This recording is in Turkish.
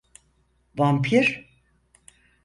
Vampir!